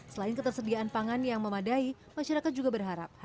selain ketersediaan pangan yang memadai masyarakat juga berharap